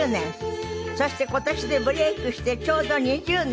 そして今年でブレイクしてちょうど２０年。